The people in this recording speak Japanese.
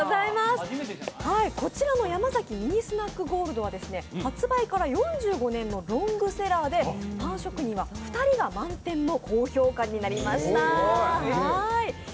こちらのヤマザキミニスナックゴールドはロングセラーでパン職人が２人満点の高評価になりました。